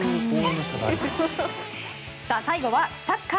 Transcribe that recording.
最後はサッカー。